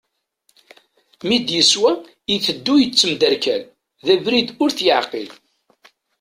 Mi d-yeswa, iteddu yettemderkal, d abrid ur t-yeɛqil.